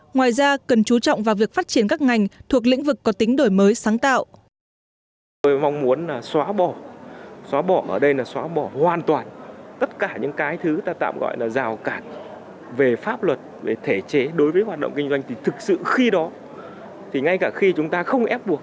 ngoài ra cần chú trọng vào việc phát triển các ngành thuộc lĩnh vực có tính đổi mới sáng tạo